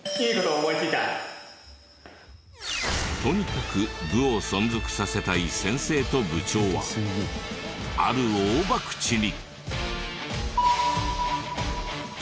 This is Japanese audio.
とにかく部を存続させたい先生と部長はある大博打に！